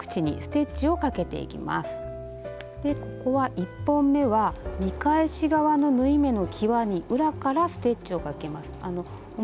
１本めは見返し側の縫い目のきわに裏からステッチをかけます。